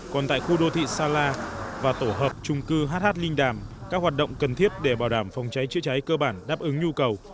còn tại khu đô thị sa la và tổ hợp trung cư hh linh đàm các hoạt động cần thiết để bảo đảm phòng cháy chữa cháy cơ bản đáp ứng nhu cầu